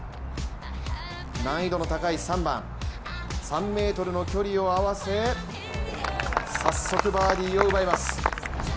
難易度の高い３番、３ｍの距離を合わせ早速、バーディーを奪います。